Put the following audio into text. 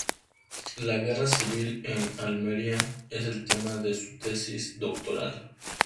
La Guerra Civil en Almería es el tema de su tesis doctoral.